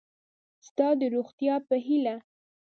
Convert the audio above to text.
ستا د روغتیا په هیله